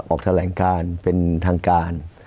ออกแถลงการเป็นทางการ